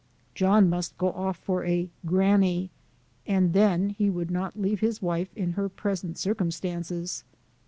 John must go off for a "Granny," and then he would not leave his wife in her pres ent circum stances.